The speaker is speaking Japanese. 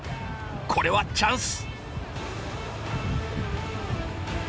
これはチャンス！